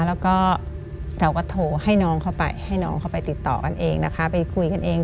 แล้วก็เราก็โทรให้น้องเข้าไปให้น้องเข้าไปติดต่อกันเองนะคะไปคุยกันเอง